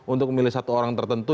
untuk memilih satu orang tertentu